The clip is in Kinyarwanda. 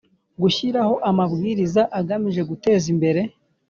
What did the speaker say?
gushyiraho amabwiriza agamije guteza imbere